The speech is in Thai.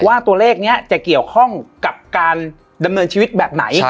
ว่าตัวเลขนี้จะเกี่ยวข้องกับการดำเนินชีวิตแบบไหน